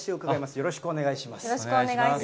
よろしくお願いします。